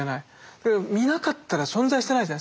だけど見なかったら存在してないじゃないですか。